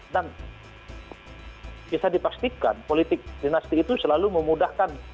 dan bisa dipastikan politik dinasti itu selalu memudahkan